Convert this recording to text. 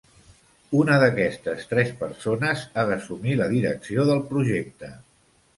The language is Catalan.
Una d'aquestes tres persones ha d'assumir la direcció del projecte.